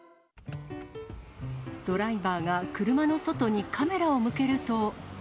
ドライバーが車の外にカメラを向けると。